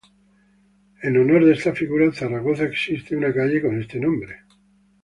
En honor de esta figura, en Zaragoza existe una calle con este nombre.